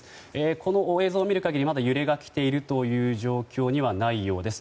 この映像を見る限りまだ揺れが来ている状況ではないようです。